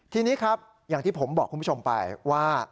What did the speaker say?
ทีนี้ครับอย่างที่ผมบอกคุณผู้ชมไปว่า